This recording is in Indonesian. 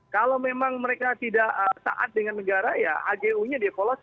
kalau memang mereka tidak taat dengan negara ya agu nya dievaluasi